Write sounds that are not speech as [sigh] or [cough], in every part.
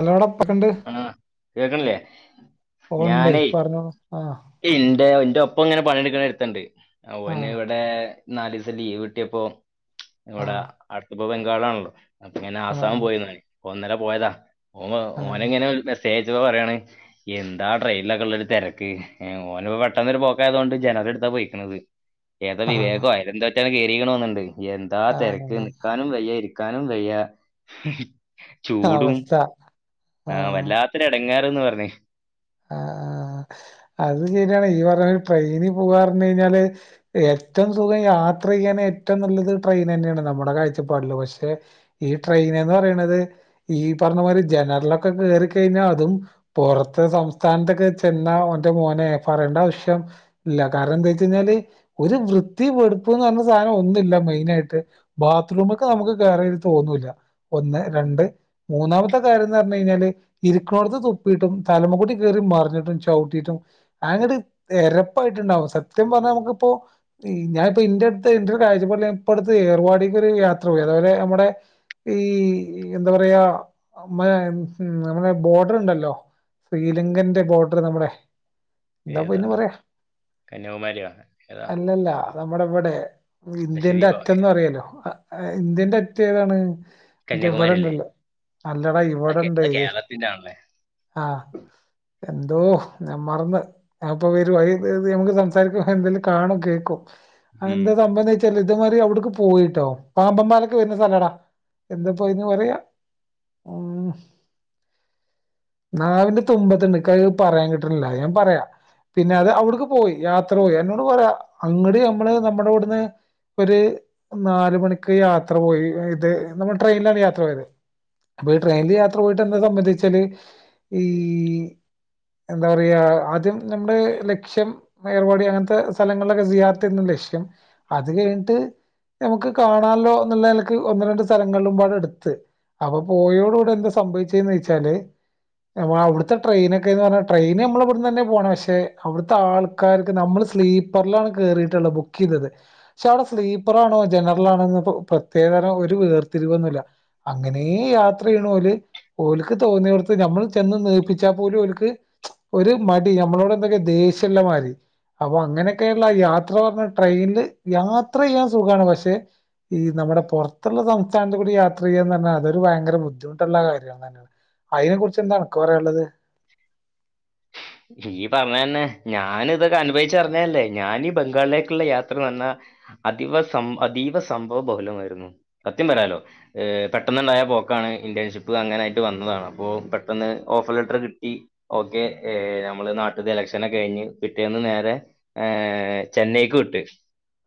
നല്ലോണം പക്കണ്ട് ആഹ് കേക്കണില്ലേ പോകണ്ടേ ഞാനേ പറഞ്ഞോളൂ ആ എന്റെ എന്റെ ഒപ്പം ഇങ്ങനെ പണിയെടുക്കണ എടുത്തണ്ട് ആ അവന് ഇവിടെ നാല് ദിവസം ലീവ് കിട്ടിയപ്പോ ആ ഇവിടെ അടുത്തപ്പോ ബംഗാളാണല്ലോ അപ്പ ഇങ്ങനെ ആ ആസാമ പോയിന്ന ഓനിന്നലെ പോയതാ ഓ ആ ഓന ഇങ്ങനെ മെസ്സേജ് പറയാണ് എന്താ ട്രെയിനിലൊക്കെ ഉള്ളരു തിരക്ക് ഓനപ്പ പെട്ടെന്നൊരു പോക്കായതുകൊണ്ട് ജനറർ എടുത്താ പോയിരിക്കുന്നത് ഏതാ ആ വിവേകോ ആയ എന്തോറ്റാണ് കയറിക്കണമ എന്നുണ്ട് എന്താ ആ തിരക്ക് നിൽക്കാനും വയ്യാ ഇരിക്ക ക്കാനും വയ്യ അവസ്ഥ ആഹ ആ വല്ലാത്തൊരു എടങ്ങാറന്ന് പറഞ്ഞേ ആഹ് അത് ശരിയാണ് ഈ പറഞ്ഞ ട്രെയിനി പോവാ പറഞ്ഞ കഴിഞ്ഞാല് ഏറ്റവും സുഖം യാത്ര ചെയ്യാൻ ഏറ്റവും നല്ലത് ട്രെയിൻ തന്നെയാണ് നമ്മുടെ കാഴ്ചപ്പാടില് പക്ഷെ ഈ ട്രെയിൻ എന്ന് പറയണത് ഈ പറഞ്ഞ മാതിരി ജനറലൊക്കെ കയറിക്കഴിഞ്ഞാൽ അതും പുറത്തെ സംസ്ഥ സംസ്ഥാനത്തൊക്കെ ചെന്ന അവന്റെ മോനെ പറേണ്ട ആവശ്യം ഇല്ല കാരണം എന്താ വെച്ച കഴിഞ്ഞാല് ഒരു വൃത്തി വെടിപ്പെന്ന പറഞ്ഞ സാധനം ഒന്നില്ല മെയിന് ആയിട്ട് ബാത്റൂമ ഒക്കെ നമുക്ക് കേറെൻ തോന്നൂല്ല ഒന്ന് രണ്ട് മൂന്നാമത്തെ കാര്യം എന്ന് പറഞ്ഞു കഴിഞ്ഞാല് ഇരുരിക്കണോടത്ത് തുപ്പിയിട്ടും തലമുകുടി കേറി മറിഞ്ഞിട്ടും ചവിട്ടിയിട്ടും അങ്ങട് നെരപ്പായിട്ടുണ്ടാവും സത്യം പറഞ്ഞാൽ നമുക്കിപ്പോ ഞാനിപ്പോ ഇന്റടുത്തെ ഇന്റെ ഒരു കാഴ്ചപ്പാടിൽ ഇപ്പടുത്ത് ഏർവാടേക്ക് ഒരു യാത്ര പോയി അതായത് നമ്മടെ ഈ എന്താ പറയാ മ നമ്മളെ ബോർഡർ ഉണ്ടല്ലോ ലിങ്കന്റെ ബോർഡർ നമ്മുടെ എന്താപ്പ ഏതാ ഇതിന് പറയാ കന്യാകുമാരിയോ ഏതാ അല്ലല്ല നമ്മുടെ ഇവിടെ ഇന്ത്യന്റെ ലക്ഷദ്വീപോ അറ്റന്ന് ഏതാ പറയാലോ ഇന്ത്യന്റെ അറ്റം ഏതാണ് മറ്റേ കന്യാകുമാരി അല്ലേ ഇവിടെണ്ടല്ലോ അല്ലടാ ഓക്കെ ഇവിടെണ്ട് കേരളത്തിന്റെ ആണല്ലേ ആഹ് എന്തോ ഞാൻ മറന്ന് അപ്പൊ വരും വഴി നമുക്ക് സംസാരിക്ക എന്തെലും കാണും കേക്കും ഉം എന്താ സംഭ ചെലത് മാറി അവിടക്ക് പോയിട്ടോ പാമ്പമ്പാലൊക്കെ വരുന്ന സ്ഥലടാ എന്താപ്പോ ഇതിന് പറയാ ഉ നാവിന്റെ തുമ്പത് പറയാൻ കിട്ടുന്നില്ല ഞാൻ പറയാ പിന്നെ അത് അവടുക്ക് പോയി യാത്ര പോയി എന്നോട് പറയാ അങ്ങടി നമ്മള് നമ്മുടെ ഇവിടുന്ന് ഒരു നാല് മണിക്ക് യാത്ര പോയി ഇത് നമ്മൾ ട്രെയിനിലാണ് യാത്ര പോയത് അപ്പൊ ട്രെയിനിൽ യാത്ര പോയിട്ട് എന്നെ സംബന്ധിച്ചാല് ഈ എന്താ പറയാ ആദ്യം നമ്മുടെ ലക്ഷ്യം മേർപടി അങ്ങനത്തെ സ്ഥലങ്ങളിലൊക്കെ ചെയ്യാത്തന്ന് ലക്ഷ്യം അത് കഴിഞ്ഞിട്ട് നമുക്ക് കാണാമല്ലോ എന്നുള്ള നിലക്ക് ഒന്ന് രണ്ട് സ്ഥലങ്ങളിലും പാട് എടുത്ത് അപ്പൊ പോയോടുകൂടെ എന്താ സംഭവിച്ചന്ന് വെച്ചാല് നമ്മ അവിടുത്തെ ട്രെയിനൊക്കെന്ന് പറഞ്ഞാൽ ട്രെയിൻ നമ്മൾ ഇവിടുന്ന് തന്നെ പോണെ പക്ഷെ അവിടുത്തെ ആൾക്കാർക്ക് നമ്മൾ സ്ലീപ്പ പറലാണ് കേയറിയിട്ടുള്ളത് ബുക്ക് ചെയ്തത് പക്ഷെ അവിടെ സ്ലീപ്പറാണോ ജനറൽ ആണോന്ന് പ്രത്യേക തരം ഒരു വേർത്തിരിവൊന്നുമില്ല അങ്ങനെ യാത്ര ചെയ്യണ പോലെ ഓലക്ക് തോന്നിയവടുത്ത് നമ്മൾ ചെന്ന് നിപ്പ ച്ചാൽ പോലും അവക്ക് ഒരു മടി നമ്മളോട് എന്തൊക്കെയ ദേഷ്യമുള്ള മാതിരി അപ്പൊ അങ്ങനെയൊക്കെയുള്ള ആ യാത്ര പറഞ്ഞ ട്രെയിനില് യാത്ര ചെയ്യാൻ സുഖമാണ് പക്ഷെ ഈ നമ്മുടെ പുറത്തുള്ള സംസ്ഥാനത്ത് കൂടി യാത്ര ചെയ്യുകന്ന് പറഞ്ഞാൽ അതൊരു ഭയങ്കര ബുദ്ധിമുട്ടുള്ള കാര്യമാണ് തന്നെ അതിനെ കുറിച്ച് എന്താണ് അനക്ക് പറയാൻ ഉള്ളത് [inaudible] ഈ പറഞ്ഞന്നെ. ഞാൻ ഇതൊക്കെ അനുഭവച്ചറിഞ്ഞതല്ലേ. ഞാനീ ബംഗാളിലേക്കുള്ള യാത്ര വന്നാ അതീവ സംഭവബഹുലമായിരുന്നു. സത്യം പറയാലോ. ഏ പെട്ടെന്നുണ്ടായാ പോക്കാണ്. ഇന്റേൺഷിപ്പ് അങ്ങനായിട്ട് വന്നതാണ്. അപ്പോൾ പെട്ടെന്ന് ഓഫർ ലെറ്റർ കി ഇ ഓക്കെ ഏ നമ്മള് നാട്ടീന്ന് എലക്ഷനൊക്കെ കയിഞ്ഞ് പിറ്റേന്ന് നേരെ ഏ ചെന്നൈക്ക് വിട്ട്.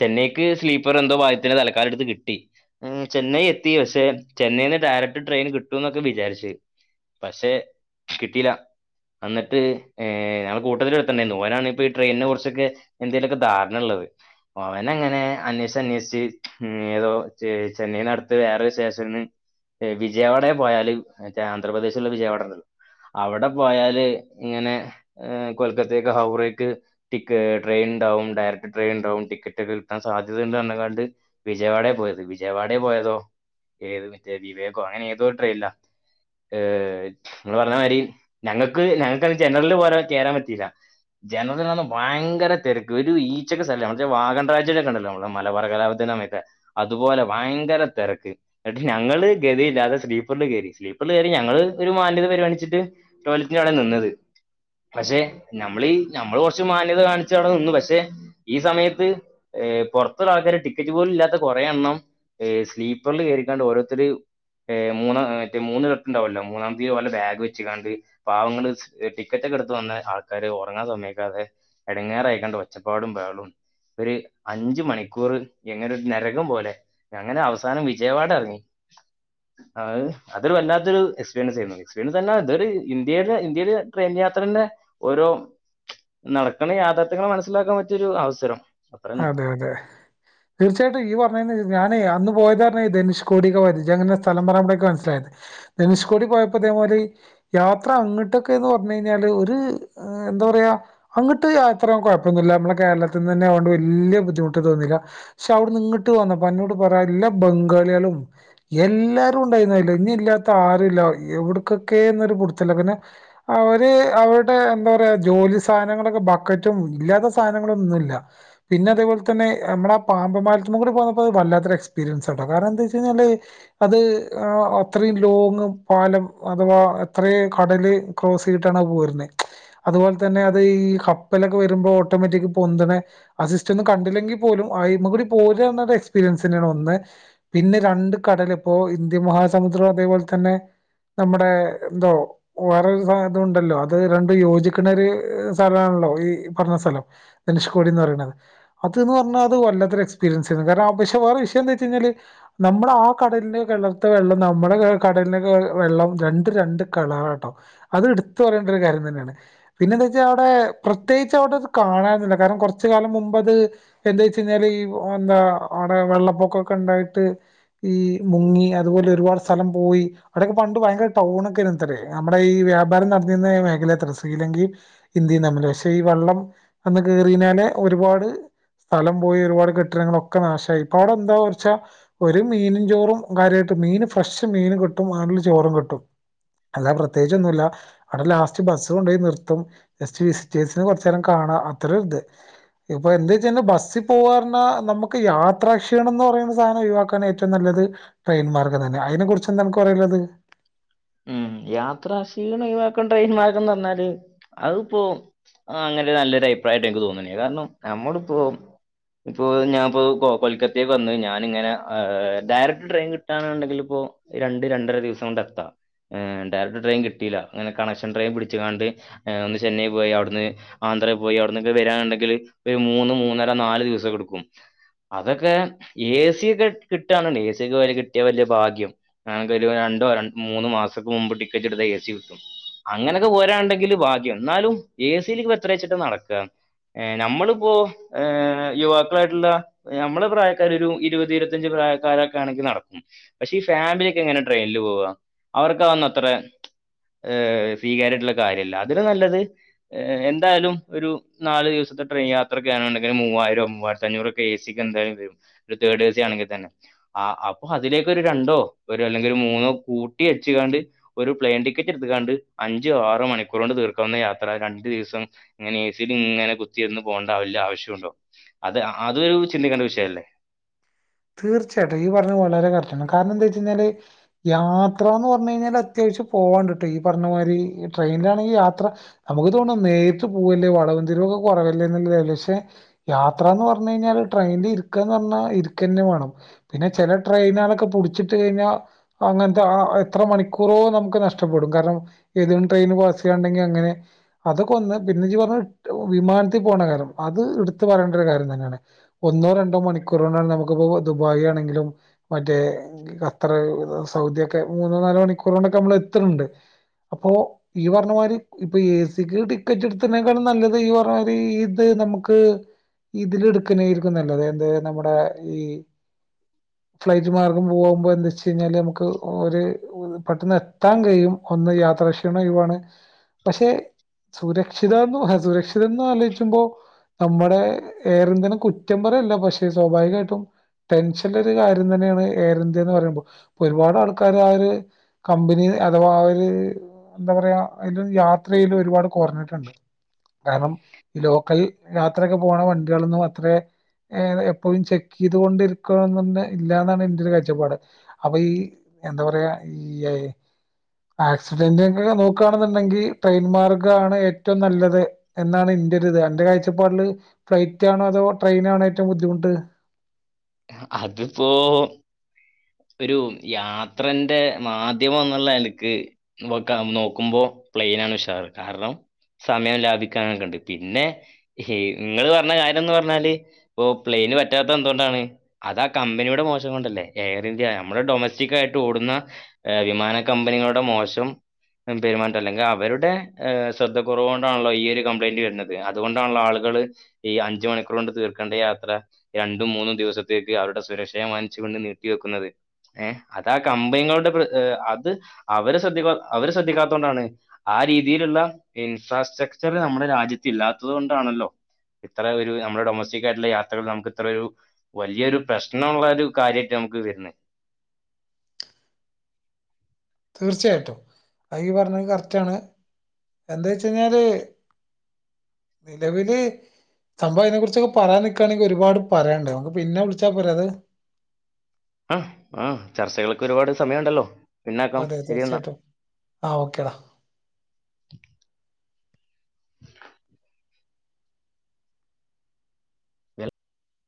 ചെന്നൈക്ക് സ്ലീപ്പർ എന്തോ ഭാഗ്യത്തിന് തലക്കാലടുത്ത് കിട്ടി. ഉം ചെന്നൈ എത്തി. പക്ഷേ ചെന്നൈയിന്ന് ഡയറക്ട് ട്രെയിൻ കിട്ടൂന്നൊക്കെ വിചാരിച്ച് പഷേ കിട്ടിലാ. അന്നിട്ട് ഏ കൂട്ടത്തിലൊരുത്തനുണ്ടായിരുന്നു. ഓനാണ് ഇപ്പ ട്രെയിനെ കുറിച്ചൊക്കെ എന്തേലൊക്കെ ധാരണള്ളത് ഓവനങ്ങെനെ അന്വേഷ്ച് അന്വേഷ്ച്ച് ഉ ഏതോ ചെന്നൈയിനട്ത്ത് വേറൊര് സ്റ്റേഷന്ന്ന് വിജയവാഡെ പോയാല് മറ്റേ ആന്ധ്രാപ്രദേശില്ള്ള വിജയവാഡെള്ളത് അവടെ പോയാല് ഇങ്ങനെ കൊൽക്കത്തയ്ക്ക് ഹൗറേക്ക് ടിക് ട്രെയിനുണ്ടാവും ഡയറക്ട് ട്രെയിൻ ഇണ്ടാവും ടിക്കറ്റ് ഒക്കെ വിൽക്കാൻ സാധ്യതണ്ടന്നു കണ്ട് വിജയവാഡെ പോയത്. വിജയവാഡെ പോയതോ ഏത് വിവേകോ അങ്ങനെ ഏതോരു ട്രെയിനിലാ ഏ എന്നറഞ്ഞമാതിരി ഞങ്ങൾക്ക് ഞങ്ങൾക്കന്ന്‌ ജനറല് പോലെ കേറാൻ പറ്റീല്ല. ജനറലന്ന് ഭയങ്കര തെരക്ക്. ഒരു ഈച്ചക്ക് സ്ഥലല്ല. മറ്റേ വാഗൺ ട്രാജെഡിക്കെണ്ടല്ലോ മ്മളെ മലബാർ കലാ [unintelligible] അതുപോലെ ഭയങ്കര തെരക്ക്. ന്നട്ട് ഞങ്ങള് ഗതിയില്ലാതെ സ്ലീപ്പറിൽ കയറി. സ്ലീപ്പറിൽ കയറി ഞങ്ങള് ഒരു മാന്യത പരിഗണിച്ച്ട്ട് ടോയ്ലറ്റ്ന്റോട നിന്നത്. പഷെ നമ്മളീ നമ്മള് കൊറച്ച് മാന്യത കാണിച്ചവടെ നിന്ന് പഷെ ഈ സമയത്ത് ഏ പൊറത് ആൾക്കാര് ടിക്കറ്റ് പോലുല്ലാത്ത കൊറെ എണ്ണം. സ്ലീപ്പർല് കേറിക്കാണ്ട് ഓരോരുത്തര്, ഏ് മൂന്ന മൂന്ന് കെട്ട്ണ്ടാവുല്ലോ. മൂന്നാമത്തിൽ ഓലെ ബാഗ് വെച്കാണ്ട് പാവങ്ങള് ടിക്കറ്റൊക്കെ എട്ത്ത് വന്ന ആൾക്കാര് ഒറങ്ങാൻ സമ്മയ്ക്കാതെ എടങ്ങാറായ്ക്കാണ്ട് ഒച്ചപ്പാടും ബഹളും. ഒര് അഞ്ച് മണിക്കൂർ എങ്ങനൊരു നരകം പോലെ അങ്ങനെ അവസാനം വിജയവാഡ ഇറങ്ങി. ആ അതൊരു വല്ലാത്ത ഒരു എക്സ്പീരിയൻസ് ആയിരുന്നു. എക്സ്പീരിയൻസർന്നാ അതൊര് ഇന്ത്യേല് ഇന്ത്യേല് ട്രെയിൻ യാത്രെന്റെ ഓരോ നടക്കണ യാഥാർത്ഥ്യങ്ങൾ മനസ്സിലാക്കാൻ പറ്റിയൊരു അവസരം. അത്ര അതെ അതെ. തീർച്ചയായിട്ടും ഈ പറഞ്ഞ ഞാനേ അന്ന് പോയതർഞ്ഞ ധനുഷ്കോടിക്കാ പോയത് ഇജങ്ങനെ സ്ഥലം പറയുമ്പെഴക്ക് ഴേ എൻക് മനസ്സിലായത്. ധനുഷ്കോടി പോയപ്പതേമാതിരി യാത്ര അങ്ങട്ടൊക്കെന്ന് പറഞ്ഞു കഴിഞ്ഞാല്. ഒരു എന്താ പറയാ അങ്ങട്ട് യാത്ര കുഴപ്പൊന്നുല്ല മ്മളെ കേരളത്തിന്നന്നൊണ്ട് വല്യ ബുദ്ധിമുട്ട് തോന്നില്ല. ക്ഷെ അവ്ട്ന്ന് ഇങ്ങട്ട് വന്നപ്പ അന്നോട് പറയാം എല്ലാ ബംഗാളികളും എല്ലാരുണ്ടായിന്നു അയില് ഇനില്ലാത്ത ആരുല്ല. എവിട്ക്കൊക്കെന്നൊരു പുട്ത്തല്ല പിന്നെ അവര് അവര്ടെ എന്താറയാ ജോലി സാധനങ്ങളൊക്കെ ബക്കറ്റും ഇല്ലാത്ത സാധനങ്ങളൊന്നുല്ല. പിന്നെ അതെ പോൽ തന്നെ നമ്മടെ പാമ്പം പാലത്തുമ്മേകൂടെ പോന്നപ്പോ വല്ലാത്ത എക്സ്പീരിയൻസാട്ടോ കാരണന്താച്ചയ്ഞ്ഞാല് അത് ആ അത്രേം ലോങ്ങ് പാലം അഥവാ അത്രേം കടല് ക്രോസ് ചെയ്ട്ടണ പോര്ണെ. അതുപോൽ തന്നെ അത് ഈ കപ്പലൊക്കെ വരുമ്പോ ഓട്ടോമാറ്റിക് പൊന്ത്‌ണെ അ സിസ്റ്റം കണ്ടില്ലെങ്കി പോലും അ്മ കൂടി പോരന്നത് എക്സ്പീരിയൻസന്നെണ് ഒന്ന് പിന്നെ രണ്ട് കടലപ്പോ ഇന്ത്യൻ മഹാസമുദ്രം അതേപൊല് തന്നെ നമ്മടെ എന്തോ വേറൊരു സാധ്യതയുണ്ടല്ലോ അത് രണ്ടും യോജിക്കണര് സ്ഥലാണല്ലോ ഈ പറഞ്ഞ സ്ഥലം ധനുഷകോടിന്ന് പറയണേ. അത് പറഞ്ഞ അത് വല്ലാതൊരു എക്സ്പീരിയൻസാരുന്നു കാരണം ക്ഷെ വേറെ വിഷയന്തെന്നുവെച്ചാല് നമ്മടെ ആ കടലിന് കിളർത്ത വെള്ളം നമ്മടെ കടലിനെ വെള്ളം രണ്ട് രണ്ട് കളറട്ടോ അത് എട്ത്ത് പറയേണ്ട ഒരു കാര്യം തന്നാണ് പിന്നെ ന്താച്ചാ അവടെ പ്രത്യേകിച്ച് അവ്ടെ ഒന്നും കാണാനൊന്നും ഇല്ല കാര്ണം കൊർച്ച് കാലം മുമ് ഇപ്പ അത് എന്തോയ്ച്ചെയ്ഞ്ഞാൽ ഈപ്പം എന്താ അയുടെ വെള്ളപ്പൊക്കൊക്കെ ഇണ്ടായിട്ട് ഈ മുങ്ങി അതുപോലെ ഒരുപാട് സ്ഥലം പോയി അയുടെയൊക്കെ പണ്ട് ഭയങ്കര ടൗൺ ഒക്കെ എയ്നു ഇത്രെയ് നമ്മെടെ ഈ വ്യാപാരം നട്ത്തീന്ന മേഖലെ ഇത്രെയ് ശ്രീലെങ്കിം ഇന്തിം തമ്മിൽ പക്ഷെ ഈ വള്ളം വന്ന് കെറിനാലെ ഒര്പാട് സ്ഥലം പോയി ഒരുപാട് കെട്ടിടങ്ങളൊക്കെ നാശായി ഇപ്പ അയുടെ എന്താ കൊറ്ച്ച് ആ ഒര് മീനും ചോറും കാര്യ ആയിട്ട് മീൻ ഫ്രഷ് മീന് കിട്ടും മാണ്ട് ഇള്ള ചോറും കിട്ടും. അല്ലാതെ പ്രത്യേയിച്ച് ഒന്നും ഇല്ലാ അയുടെ ലാസ്റ്റ് ബസ്സ് കൊണ്ടോയി നിർത്തും ജസ്റ്റ് വിസിറ്റേഴ്സിന് കൊർച്ചേരം കാണാം അത്രേം ഇണ്ട്. ഇപ്പൊ എന്തൊയ്ച്ചാന് ബസ്സി പോവാ പർണാ നമുക്ക് യാത്രാ ക്ഷീണംന്ന് പറയുന്ന സാനം ഒഴിവാക്കാൻ ഏറ്റവും നല്ലെത് ട്രെയിൻ മാർഗം തെന്നെ അയിനെ കുറിച്ച് എന്താ അൻക്ക് പറയാ ഇള്ളെത്? ഉം യാത്ര ക്ഷീണം ഒഴിവാക്കെണ്ട ട്രെയിൻ മാർഗംന്ന് പർണാൽ അത് ഇപ്പോ ആഹ് അങ്ങനെ ഒരു നല്ലൊരു അയിപ്രായായിട്ട് എനിക്ക് തോന്ന്ണ് അയിന് കാരണം നമ്മെൾ ഇപ്പോ ഇപ്പോ ഞാപ്പോ കൊ കൊൽക്കത്തേക്ക് വന്നെയ് ഞാന് ഇങ്ങനെ ഏഹ് ഡയറക്ട് ട്രെയിൻ കിട്ടാന് ഇണ്ടെങ്കിൽ ഇപ്പോ രണ്ട് രണ്ടര ദിവ്സം കൊണ്ട് എത്താ ഏഹ് ഡയറെക്ട് ട്രെയിൻ കിട്ടീലാ അങ്ങനെ കണക്ഷെൻ ട്രെയിൻ പിട്ച്ച് കാണ്ട് ഏഹ് ഒന്ന് ചെന്നൈ പോയി അയുട്ന്ന് ആന്ധ്രെ പോയി അയുട്ന്നൊക്കെ വെരാണ്‌ന്ന് ഇണ്ടെങ്കിൽ ഒര് മൂന്ന് മൂന്നെര നാല് ദിവ്സം ഒക്കെ ഇട്ക്കും. അതൊക്കെ എ സിയൊക്കെ കിട്ടാന്ന് ഇണ്ടെങ്കി എ സിയെക്കെ വല്യ കിട്ടിയാ വല്ല്യ ഭാഗ്യം. ഞങ്ങെക്ക് ഒരു രണ്ടോ റൺ മൂന്നോ മാസൊക്കെ മുമ്പ് ടിക്കെറ്റ് ഇട്ത്താ എ സി കിട്ടും അങ്ങനൊക്കെ പോരാ ഇണ്ടെങ്കിൽ ഭാഗ്യം ഇന്നാലും എ സിൽക്കെ ഇപ്പ എത്രെച്ച്ട്ടാ നട്ക്കാ ഏഹ് ഞമ്മളിപ്പോ ഏഹ് യുവാക്കെളായിട്ട് ഇള്ള ഇപ്പ ഞമ്മളെ പ്രായക്കാര് ഒരു ഇരുപെത് ഇരത്തഅഞ്ച് പ്രായക്കാരൊക്കെ ആണെങ്കി നട്ക്കും. പക്ഷെ ഈ ഫാമിലി ഒക്കെ എങ്ങനെ ട്രെയിനിൽ പോവാ അവർക്ക് അതൊന്നും അത്രെ ഏഹ് സ്വീകാര്യ ആയിട്ട് ഇള്ള കാര്യ അല്ല അതിലും നല്ലെത് ഏഹ് എന്തായാലും ഒരു നാല് ദിവസത്തെ ട്രെയിൻ യാത്ര ഒക്കെ ആണ്ന്ന് ഇണ്ടെങ്കിൽ ഒരു മൂവായിരോ മൂവായിരത്തി അഞ്ഞൂറൊ ക്കെ എ സിക്ക് എന്തായാലും വെരും ഒര് തേർഡ് എ സി ആണെങ്കി തെന്നെ ആഹ് അപ്പൊ അതിലേക്ക് ഒരു രണ്ടോ ഒര് അല്ലെങ്കി ഒര് മൂന്നോ കൂട്ടി അട്ച്ച് കാണ്ട് ഒരു പ്ലെയിൻ ടിക്കെറ്റ് ഇട്ത്ത്ക്കാണ്ട് അഞ്ചോ ആറോ മണിക്കൂറോണ്ട് തീർക്കാവുന്ന യാത്ര രണ്ട് ദിവ്സം ഇങ്ങനെ എ സിൽ ഇങ്ങനെ കുത്തിര്ന്ന് പോണ്ടെ വല്ല ആവ്ശ്യം ഇണ്ടോ അത് അതൊരു ചിന്തിക്കേണ്ട വിഷയ അല്ലെ? തീർച്ചയായിട്ടും ഇയ്യ് പർണെ വളരെ കറക്റ്റാണ് കാരണം എന്താന്ന് ചോയിച്ചെഴിഞ്ഞാൽ യാത്രാന്ന് പർണ് കഴിഞ്ഞാൽ അത്യാവശ്യം പോവാ ഇണ്ട്ട്ടോ ഇയ്യ് പർണ മായിരി ട്രെയിനിലാണെങ്കി യാത്ര നമ്മെക്ക് തോണ നേരിട്ട് പോവല്ലെ വളവും തിരുവൊക്കെ കൊവല്ലെ എന്ന്ള്ളെത് പക്ഷെ യാത്രാന്ന് പർണ് കഴിഞ്ഞാല് ട്രെയിൻൽ ഇരിക്കാന്ന് പർണാ ഇര്ക്കെന്നെ വാണം. പിന്നെ ചെല ട്രെയിനാളൊക്കെ പുട്ച്ച്ട്ട് കഴിഞ്ഞാ അങ്ങെൻത്തെ ആഹ് എത്ര മണിക്കൂറോ നമുക്ക് നഷ്ടപ്പെടും കാര്ണം ഏതെങ്കിലും ട്രെയിൻ പാസെയ്യാൻ ഇണ്ടെങ്കി അങ്ങനെ അതൊക്കെ ഒന്ന് പിന്നെ ഇജ് പർണ മാതിരി വിമാനത്തി പോണ്ട കാര്യം അത് ഇട്ത്ത് പറയേണ്ട ഒരു കാര്യം തെന്നെയാണ്. ഒന്നോ രണ്ടോ മണിക്കൂറോണ്ടാണ് നമുക്ക് ഇപ്പോ ദുബായി ആണെങ്കിലും മറ്റേ ഖത്തെർ ഇത് സൗദി ഒക്കെ മൂന്നോ നാലോ മണിക്കൂറോണ്ടൊക്കെ നമ്മൾ എത്ത്ൺ ഇണ്ട് അപ്പോ ഇയ്യ് പർണ മായിരി ഇപ്പ എ സിക്ക് ടിക്കെറ്റ് ഇട്ത്ത്നേക്കാളും നല്ലെത് ഇയ്യ് പർണ മാരി ഇത് നമുക്ക് ഇതിൽ ഇട്ക്കെന്നെയ്രിക്കും നല്ലെത് എന്ത് നമ്മുടെ ഈ ഫ്ലൈറ്റ് മാർഗം പോകാവുമ്പോ എന്താച്ച് കഴിഞ്ഞാല് നമുക്ക് ഒര് പെട്ടെന്ന് എത്താൻ കഴിയും ഒന്ന് യാത്രക്ഷീണം ഒഴിവാണ് പക്ഷെ സുരക്ഷിതാന്നും ഏഹ് സുരക്ഷി ഇത്രെ ഒന്നും ആലോയ്ച്ചുമ്പോ നമ്മുടെ എയർ ഇന്ത്യനെ കുറ്റം പറയല്ല പക്ഷെ സ്വാഭാവികായി ട്ടും ടെൻഷന്റെ ഒരു കാര്യം തന്നെയാണ് എയർ ഇന്ത്യന്ന് പറിയിമ്പോ ഒരുപാട് ആൾക്കാര് ആ ഒര് കമ്പനിന്ന് അഥവാ ഒര് എന്താ പറയാ അയിലൊന്നും യാത്ര ചെയ്യൽ ഒരുപാട് കൊർൺട്ട് ഇണ്ട് കാര്ണം ഈ ലോക്കെൽ യാത്രയൊക്കെ പോണ വണ്ടിയാൾ ഒന്നും അത്രെ ഏതാ എപ്പോഴും ചെക്കീയ്ത് കൊണ്ട് ഇരിക്കെൽ ഒന്നും തെന്നെ ഇല്ലാന്ന് ആണ് ഇന്റെ ഒരു കാഴ്ചപ്പാട്. അപ്പ ഈ എന്താ പറയാ ഇയ്യെ ആക്സിഡന്റൊ ക്കെ നോക്കുകയാണെന്നുണ്ടെങ്കിൽ ട്രെയിൻ മാർഗാണ് ഏറ്റവും നല്ലത്. എന്നാണ് ഇന്റെ ഒരു ഇത് അന്റെ കാഴ്ചപ്പാടില് ഫ്ലൈറ്റ് ആണോ അതോ ട്രെയിനാണോ ഏറ്റവും ബുദ്ധിമുട്ട്? അതിപ്പോ ഒരു യാത്രന്റെ മാധ്യമംന്നുള്ള എനിക്ക് ക്ക നോക്കുമ്പോ പ്ലെയിനാണ് ഉഷാറ് കാരണം സമയം ലാഭിക്കാനൊക്കെണ്ട് പിന്നെ ഹേയ് ങ്ങള് പറഞ്ഞ കാര്യം എന്ന് പറഞ്ഞാല് ഇപ്പൊ പ്ലെയിന് പറ്റാത്ത തെ എന്തു കൊണ്ടാണ് അതാ കമ്പനിയുടെ മോശം കൊണ്ടല്ലേ എയർ ഇന്ത്യ നമ്മുടെ ഡൊമസ്റ്റിക് ആയിട്ട് ഓടുന്ന ഏഹ് വിമാന കമ്പനികളുടെ മോശം പെരുമാറ്റം അല്ലെങ്കിൽ അവരുടെ ഹ് ശ്രദ്ധ കുറവ് കൊണ്ടാണല്ലോ ഈ ഒരു കംപ്ലൈന്റ് വരുന്നത് അതു കൊണ്ടാണല്ലോ ആളുകള് ഈ അഞ്ചു മണിക്കൂർ കൊണ്ട് തീർക്കേണ്ട യാത്ര രണ്ടും മൂന്നും ദിവസത്തെ അവരുടെ സുരക്ഷയെ മാനിച്ചു കൊണ്ട് നീട്ട വെക്കുന്നത് ഏഹ് അതാ കമ്പനികളുടെ അത് അവര് ശ്രദ്ധിക്ക അവര് ശ്രദ്ധിക്കാത്തത് കൊണ്ടാണ് ആഹ് രീതിയിലുള്ള ഇൻഫ്രാസ്ട്രക്ചർ നമ്മുടെ രാജ്യത്ത് ഇല്ലാത്തത് കൊണ്ടാണല്ലോ ഇത്ര ഒരു നമ്മുടെ ഡൊമസ്റ്റിക് ആയിട്ടുള്ള യാത്രകൾ നമുക്ക് ഇത്ര ഒരു വല്ല്യരു പ്രശ്നള്ള ഒരു കാര്യയിട്ട് നമുക്ക് വരുന്നത് തീർച്ചയായിട്ടും അയി പറഞ്ഞത് കറക്റ്റ് ആണ് എന്താ വെച്ച കഴിഞ്ഞാല് നിലവില് സംഭവ അയിനെ കുറിച്ചൊക്കെ പറയാൻ നിൽക്കാണെങ്ക ഒരുപാട് പറയാണ്ടാവും നമുക്ക് പിന്നെ വിളിച്ചാൽ പോരെ അത് ആഹ് ആഹ് ചർച്ചകളൊക്കെ ഒരുപാട് സമയണ്ടല്ലോ അതെ തീർച്ചയായിട്ടും ആഹ് ഓക്കെടാ